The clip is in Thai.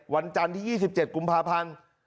วันจันทร์ที่๒๗กุมภาพันธ์